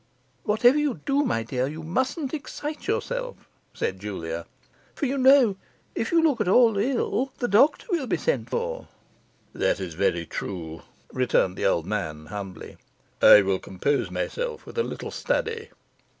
'Whatever you do, my dear, you mustn't excite yourself,' said Julia; 'for you know, if you look at all ill, the doctor will be sent for.' 'That is very true,' returned the old man humbly, 'I will compose myself with a little study.